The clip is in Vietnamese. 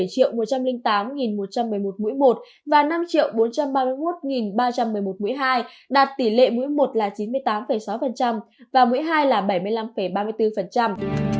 một mươi một trăm linh tám một trăm một mươi một mũi một và năm bốn trăm ba mươi một ba trăm một mươi một mũi hai đạt tỷ lệ mũi một là chín mươi tám sáu và mũi hai là bảy mươi năm ba mươi bốn